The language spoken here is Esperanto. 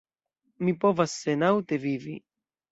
Mi povas senaŭte vivi.